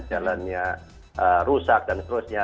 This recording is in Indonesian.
jalannya rusak dan terusnya